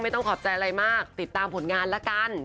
ขอบใจอะไรมากติดตามผลงานละกัน